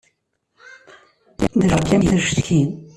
Beṛkamt acetki.